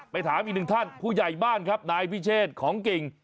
ถามอีกหนึ่งท่านผู้ใหญ่บ้านครับนายพิเชษของกิ่ง